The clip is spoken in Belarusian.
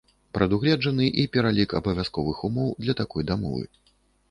Прадугледжаны і пералік абавязковых умоў для такой дамовы.